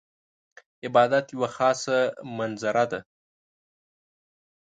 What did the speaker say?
عبادت یوه خاضه منظره ده .